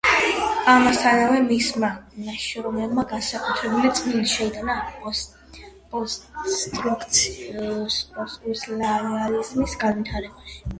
ამასთანავე, მისმა ნაშრომებმა განსაკუთრებული წვლილი შეიტანა პოსტსტრუქტურალიზმის განვითარებაში.